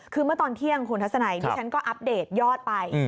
คือเมื่อตอนเที่ยงคุณทัศนัยดิฉันก็อัปเดตยอดไป